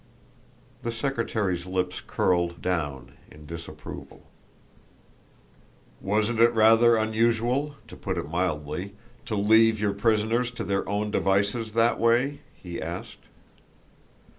The secretary's lips curled down in disapproval. "Wasn't it rather unusual, to put it mildly, to leave your prisoners to their own devices that way?" he asked.